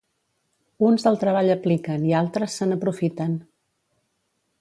Uns el treball apliquen i altres se n'aprofiten.